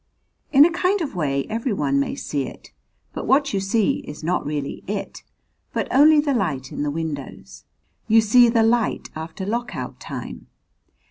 In a kind of way everyone may see it, but what you see is not really it, but only the light in the windows. You see the light after Lock out Time.